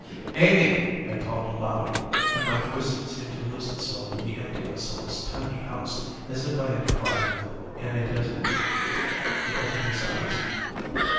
'Amy!' I called aloud, and my voice seemed to lose itself in the emptiness of this tiny house as if I had cried in a desert. He opened his eyes.